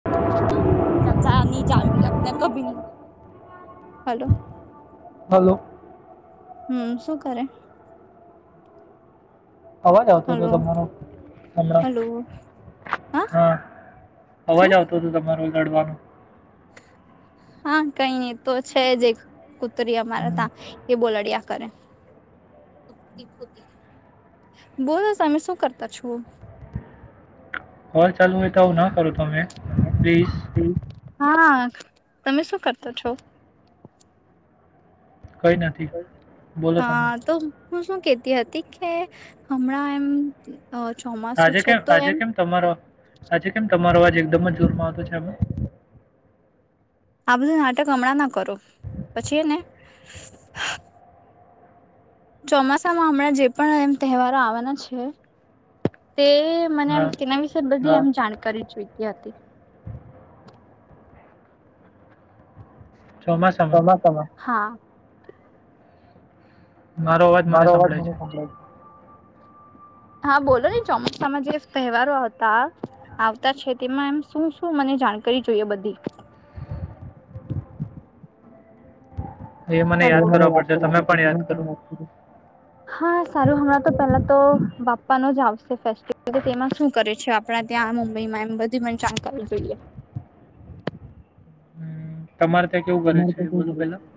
[inaudible] મતની જ લને કભી હાલો. હલો. હમ શું કરે. અવાજ આવતો હતો હલો તમારો હણા હલો હા અવાજ શું આવતો હતો તમાર લડવાનો હા કઈ તો છે જ કૂતરી અમારા હમ. ત્યાં એ બોલડ્યા કરે. બોલ તમે શું કરતા છો. હોય ચાલું હોય તો આવું ના કરો તમે પ્લીઝ હા તમે શું કરતો છો. કંઈ નથી બોલો તમે હા તો. હું શું કેતી હતી કે હમણાં એમ ચોમાસું આજે છે કેમ તો આજે એમ. કેમ તમારો આજે કેમ તમારો આજ એકદમ જ જોરમાં આવતો છે આમે. આ બધું નાટક હમણાં ના કરો પછી ને. ચોમાસામાં હમણાં જે પણ એમ તહેવારો આવવાના છે તે મને એમ હા એના વિશે બધી એમ જાણકારી જોઈતી હતી. ચોમાસામાં હા. મારો અવાજ મને સંભળાય છે. હા બોલો ને ચોમાસામાં જે તહેવારો હતા. આવતા છે તેમાં એમ શું શું મને જાણકારી જોઈએ બધી. છે એ મને યાદ કરવા પડશે તમે હાલો. પણ યાદ કરો [unintelligible] હા સારું હમણાં તો પેલા તો બાપ્પા નો જ આવશે. ફસ્ટલ તેમાં શું કરે છે આપણા ત્યાં મુંબઈમાં એમ બધી ચણ કરવી જોઈએ. હમ, તમારે ત્યાં કેવું કરે તમારે તો છે બોલો કેવું કરે પેલા. છે?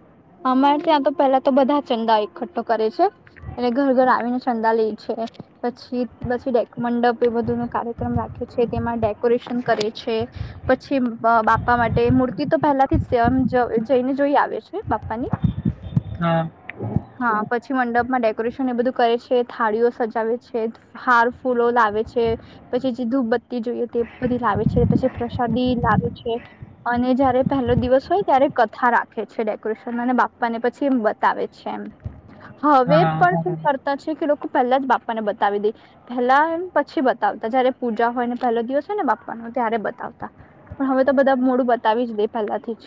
અમારે ત્યાં તો પેલા તો બધા ચંદા એકઠો કરે છે. એટલે ઘર ઘર આવીને ચંદા લે છે. પછી પછી મંડપ એ બધું ન કાર્યક્રમ રાખે છે તેમાં ડેકોરેશન કરે છે. પછી બબાપા માટે મૂર્તિ તો પહેલાથી સેવા જ જઈને જોઈ આવે છે બાપા ની હા હા પછી મંડપમાં ડેકોરેશન એ બધું કરે છે થાળીઓ સજાવે છે. હાર ફૂલો લાવે છે. પછી જે ધૂધબત્તી જોઈએ તે બધી લાવે છે પછી પ્રસાદી લાવે છે. અને જયારે પહેલો દિવસ હોય ત્યારે કથા રાખે છે ડેકોરેશનમાં અને બાપ્પાને પછી એમ બતાવે છે. છે એમ હવે હા પણ શું કરતા છે કે લોકો પહેલા જ બાપા ને બતાવી દે પેલા એમ પછી બતાવતા જયારે પૂજા હોય ને પહેલો દિવસ હોય ને બાપ નો ત્યારે બતાવતા. પણ હવે તો બધા મોડું બતાવી જ દે પેલેથી જ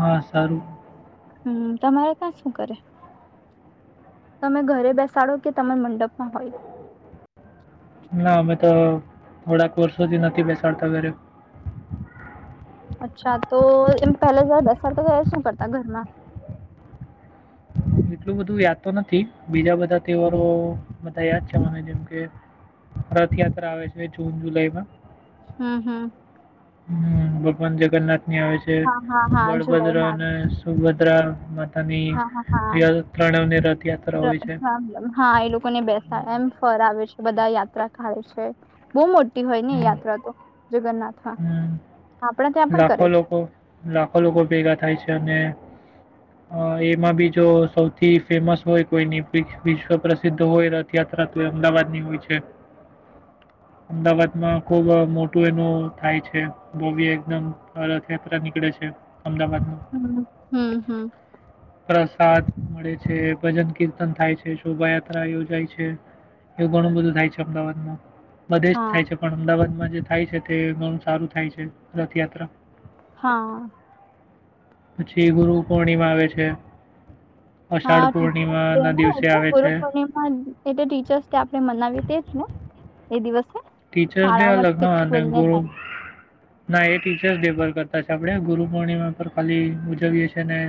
હા સારું હમ તમારે ત્યાં શું કરે તમે ઘરે બેસાડો કે તમારા મંડપમાં હોય. ના અમે ધ થોડાક વર્ષોથી નથી બેસાડતા ઘરે અચ્છા તો એમ પહેલા જ્યારે બેસાડતા ત્યારે શું કરતા ઘરમાં. એટલું બધું યાદ તો નથી બીજા બધા તહેવારો બધા યાદ છે મને જેમ કે રથયાત્રા આવે છે જૂન જુલાઈમાં. હમ હમ હમ ભગવાન જગન્નાથ ની આવે છે હા હા હા બળભદ્ર જુલાઈમાં ને આવી સુભદ્રા માતાની હા હા રિઅલ [unintelligible] હા એ લોકોને બેસાડ એમ ફર આવે છે બધા યાત્રા ખાાય છે. બહુ મોટી હોય ને એ હમ, યાત્રા તો જગન્નાથ હમ, લાખો લોકો લાખો લોકો ભેગા થાય છે અને [unintelligible] અ એમાં બી જો સૌથી ફેમસ હોય કોઈની વિશ્વ પ્રસિદ્ધ હોય. થયાત્રા તો એ અમદાવાદ ની હોય છે. [inaudible] અમદાવાદમાં ખૂબ મોટું એનું થાય છે ભવ્ય એક એકદમ રથયાત્રા નીકળે છે અમદાવાદનું. હ હમ હમ. પ્રસાદ મળે છે ભજન કીર્તન થાય છે શોભાયાત્રા યોજાય છે. એવું ઘણું બધું થાય છે, અમદાવાદમાં બધે જ હા થાય છે. પણ અમદાવાદમાં જે થાય છે, તે ઘણું સારું થાય છે, રથયાત્રા હા, પછી ગુરુપુર્ણિમા આવે છે, હા અષાઢપૂર્ણિમાના દિવસે આવે છે, હ એતો ટીચર્સડે આપણે મનાવી તેજ નેએ દિવસેને. ટીચર્સ ડે અલગને અને ગુરુ. નાએ ટીચર્સ ડે પર કરતા છે, આપડે ગુરુ પૂર્ણિમા પર ખાલી ઉજવીએ છીએ.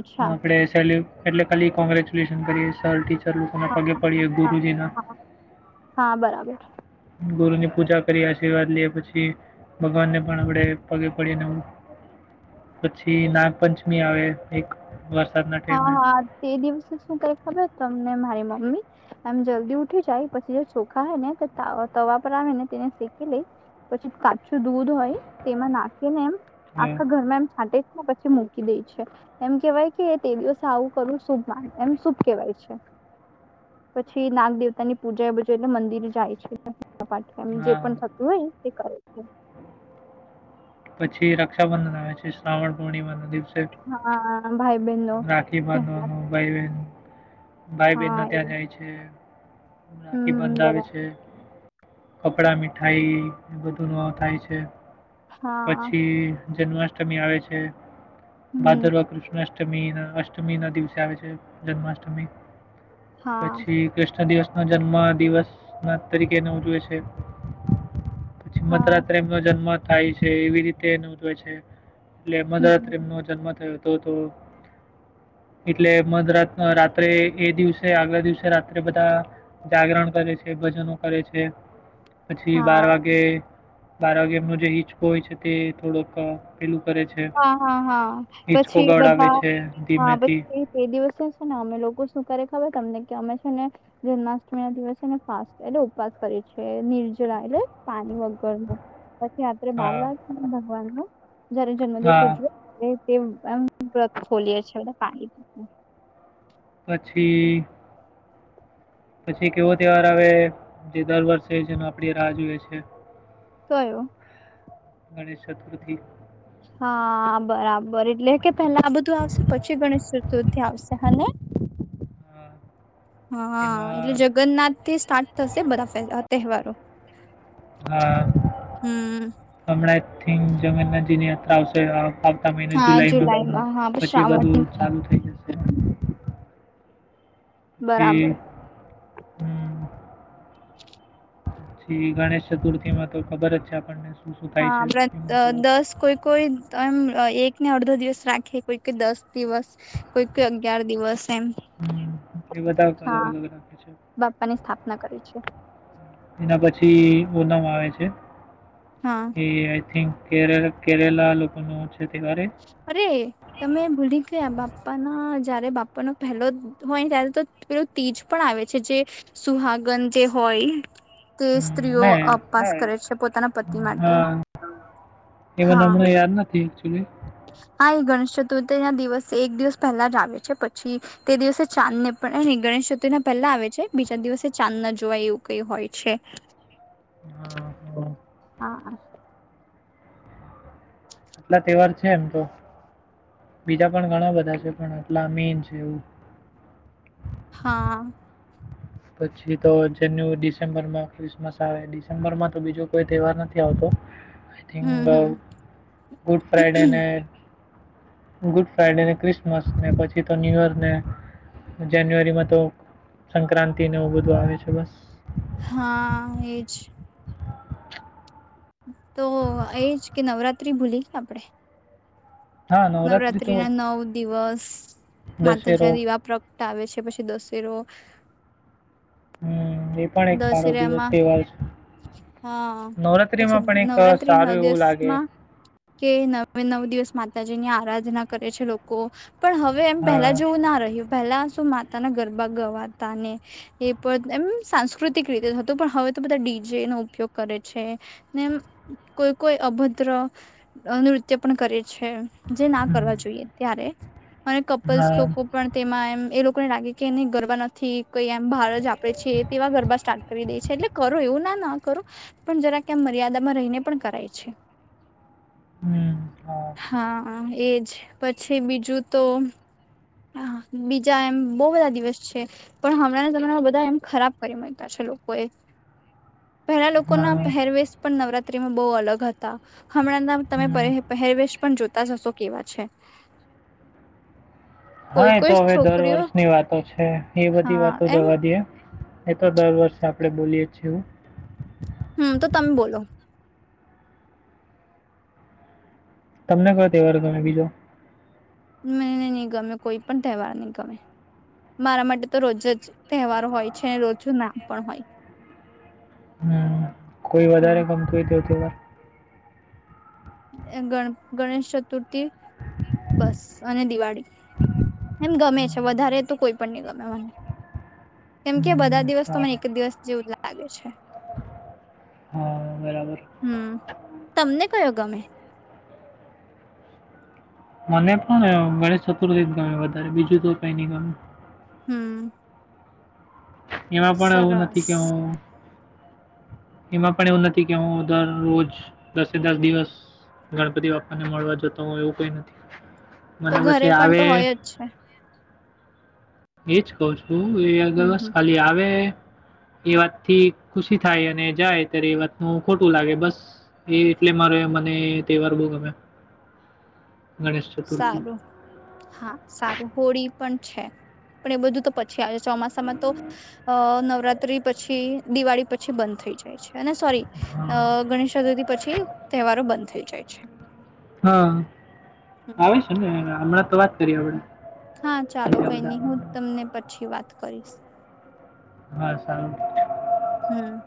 અચ્છા આપણે સેલ્ય એટલે ખાલી કોંગ્રેચ્યુલેશન કરીએ સરટી. લોકોને હા પગે પડીએ હા ગુરુજીના, હા હા, બરાબર ગુરુની પૂજા કરી આશીર્વાદ લે પછી, ભગવાનને પણ આપડે પગે પડીને હું. પછી નાગપંચમી આવે એક, વરસાદના, હા, ટાઈમે હા તે દિવસે શું કરે ખબર તમને મારી મમ્મી, એમ જલ્દી ઉઠી જાય પછી જે ચોખા હોને તવા પર આવેને તેને શેકી લઈ. પછી કાચું દૂધ હોય તેમાં નાખીને એમ હા આખા ઘરમાં એમ છાંટે છે ને પછી મૂકીદે છે એમ કહેવાય કે તે દિવસે આવું કરવું શુભ માનવું એમ શુભ કેવાય છે. પછી નાગદેવતાની પૂજાએ બાજુ એટલે મંદિર એ જાય છે આજે હા પણ થતું હોય તે કરે છે પછી રક્ષાબંધન આવે છે શ્રાવણપૂર્ણિમા ના દિવસે હા ભાઈ બહેનોનો રાખી [unintelligible] બાંધવાનું ભાઈ બહેન ભાઈ બહેનના એ ત્યાં જાય છે રાખી હમ બંધ આવે બરાબર છે કપડાં મીઠાઈએ બધું નો થાય છે. હા પછી જન્માષ્ટમી આવે છે હમ ભાદરવા કૃષ્ણષ્ટમ અષ્ટમીના અષ્ટમીના દિવસે આવે છે જન્માષ્ટમી હા પછી કૃષ્ણદિવસનો જન્મ આ દિવસના તરીકેને ઉજવે છે. પછી હા મધરાત્રે એમનો જન્મ થાય છે એવી રીતે ઉજવે છે. એટલે હમ મદાતમનો જન્મ થયો હતો તો એટલે મધરાત રાત્રે એ દિવસે આગલા દિવસે રાત્રે બધા જાગરણ કરે છે ભજનો કરે છે પછી બાર હા વાગે બાર વાગે એમનો જે હિંચકો હોય છે તે થોડોક પેલું કરે છે હા હા હા હિંચકો પછી ગવડાવે બધા છે હા ધીમેથી પછી એ દિવસે છે ને અમે લોકો શું કરે ખબર તમને કે અમે છે ને જન્માષ્ટમીના દિવસે એને ફાટસ એટલે ઉપવાસ કરે છે નિર્જલા એટલે પાણી વગર. પછી રાત્રે હા મારવા ભગવાનનો જયારે જન્મદિવસ હા ઉજવ્યો અરે તે એમ વ્રત ખોલીયે છે હા પછી પછી કેવો તહેવાર આવેજે દર વર્ષે જે આપડી રાહ જોઈએ છે ઉતરાયણ ગણેશચતુર્થી હા બરાબર એટલે કે પેલા આ બધું આવશે પછી ગણેશચતુ દૂર થી આવશે હે ને અ, હા એટલે એમાં જગન્નાથથી સ્ટાર્ટ થશે બધા તહેવારો હા હમ હમણાં એકથીન જગનનાજીની યાત્રા આવશે આવતા મહિને હા જુલાઈમાં હા પછીએ શ્રાવણ બધું ચાલુ થઈ જશે પછી બરાબર હમ, ગણેશ ચતુર્થી માં તો ખબર જ છે આપણને શું શું થાય હા છે બ્ર એમાં અ તો દસ કોઈ કોઈ તન એક ને અડધો દિવસ રાખે કોઈ કોઈ દસ દિવસ કોઈ કોઈ અગિયાર દિવસ એમ. હમ્મ એ બધા અલગ હા અલગ રાખે છે. બાપ્પા ની સ્થાપના કરી છે એના પછી ઓનમ આવે છે. હા. એ આઈ થિંક કેરેલ કેરેલા લોકો નું છે તેવાર હે અરે તમે ભૂલી ગયા બાપ્પાના જયારે બાપાનો પહેલો હોય ત્યારે તો પેલું તીજ પણ આવે છે જે સુહાગન જે હોય તે હમ, સ્ત્રીઓ ને અપાસ હૈ કરે છે પોતાના પતિ માટે હા હા. તે એકચ્યુલી હા એ ગણેશ ચતુર્થી ના દિવસ એક દિવસ પેલા જ આવે છે પછી તે દિવસે ચાંદ ને પણ એની ગણેશ ચતુર ના પેલા આવે છે બીજા દિવસે ચાંદ ના જોવાય એવું કઈ હોય છે. હા હ હા. આટલા તેવાર છે એમ તો બીજા પણ ઘણા બધા છે પણ આટલા મેન છે એવું. હા. પછી તો જન્યુ ડિસેમ્બર માં ક્રિસમસ આવે ડિસેમ્બર માં તો બીજો કોઈ તેવાર નથી આવતો [inaudible] થિંગ ગુડફ્રાઈડે ને હમ ગુડફ્રાઈડે ને ક્રિસમસ ને પછી તો ન્યુઅર ને જાન્યુઆરીમાં તો સંક્રાંતિને એવું બધું આવે છે બસ. હા, એજ તો એજ કે નવરાત્રી ભૂલી આપળે હા નવરાત્રિ તો નવરાત્રી ના નવ દિવસ દશેરો માતાજ્યા દીવા પ્ર ટાવે છે પછી દશેરો. હમ્મ, એ પણ એક સારો દિવસ તેવાર છે. હ, પછી નવરાત્રિમાં પણ એક અ, નવરાત્રી નવ સારું એવું લાગે દિવસમાં કે નવે નવ દિવસ માતાજી ની આરાજના કરે છે લોકો, પણ હવે હવે એમ પહેલા હા જેવું ના રહ્યું પેલા શું માતા ના ગરબા ગવાતા ને એ પદ એમ્મ સાંસ કૃતિક રીતે હતું, પણ હવે તો બધા ડીજે નો ઉપયોગ કરે છે ને કોઈ કોઈ અભદ્ર અ નૃ ત્ય પણ કરે છે, જે ના કરવા જોઈએ ત્યારે અને હા કપલ્સ લોકો પણ તેમાં એમ એ લોકો ને લાગે કે ની ગરબા નથી કઈ એમ બહાર જ આપળે છે તેવા ગરબા સ્ટાર્ટ કરી દે છે, એટલે કરો એવું ના ના કરો પણ જરાક એમ મર્યાદામાં રઈને પણ કરાય છે. [inaudible] હમ્મ, હા. હા, એજ પછી બીજું તો આહા, બીજા એમ બો બધા દિવસ છે પણ હમણાંના જમાના બધાએ એમ ખરાબ કરી મુય કા છે લોકો એ પેલા લોકો હા ના પહેરવેશ પણ નવરાત્રીમાં બોઉ અલગ હતા હમણાં ના તમે હમ પરીહેપ પહેરવેશ પણ જોતા જ હશો કેવા છે. હા, કોઈ એ કોઈ તો હવે દર છોકરીઓ વર્ષની વાતો છે એ બધી હા વાતો એમ જવા દિએ એ તો દર વર્ષે આપળે બોલીયે જ છે એવું. હમ્મ, તો તમ બોલો. તમને કયો તેવાર ગમે બીજો? મને ની ગમે કોઈ પણ તેવાર ની ગમે. મારા માટે તો રોજ જ તેવારો હોય છે, રોજુ ના પણ હોય. હમ કોઈ હમ વધારે ગમતું હોય તો વા ગણ ગણેશ ચતુર્થી બસ અને દિવાળી એમ ગમે છે વધારે તો કોઈ ની ગમે મને કેમ કે હમ બધા દિવસ તો મને સારું એક દિવસ જેવું જ લાગે છે હા બરાબર હમ તમને કયો ગમે મને પણ ગણેશ ચતુર્થી જ ગમે વધારે બીજું તો કઈ ન ગમે હમ એમાં પણ એવું સરસ નથી કે હું એમાં પણ એવું નથી કે હું દરરોજ દસે દસ દિવસ ગણપતિ બાપા ને મળવા જતો હોય એવું કઈ નથી મને તો બસ ઘરે એ પણ આવે તો હોય જ છે એજ કવ છું એ હમ દિવસ હમ ખાલી આવે એ વાત થી ખુશી થાય અને જાય ત્યારે એ વાતનું ખોટું લાગે બસ એ એટલે મારે મને તહેવાર બહ ગમે [inaudible] ગણેશ ચતુર્થી સારું હા સારું હોળી પણ છે પણ એ બધું તો પછી આવે છે ચોમાસામાં તો. અ નવરાત્રી પછી દિવાળી પછી બંધ થઈ જાય છે. અને સોરી હા ગણેશ ચતુર્થી પછી, તહેવારો બંધ થઈ જાય છે. હા, આવે છે ને હમણાં તો વાત કરી આપડ. હા ચાલો કઈ નહી હું તમને પછી વાત કરીશ. હા સારું. હમ.